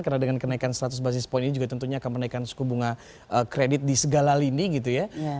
karena dengan kenaikan seratus basis point ini juga tentunya akan menaikan suku bunga kredit di segala lini gitu ya